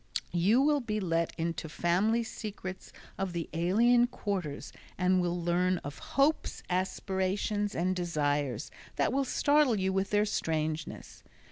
You will be let into family secrets of the alien quarters, and will learn of hopes, aspirations, and desires, that will startle you with their strangeness.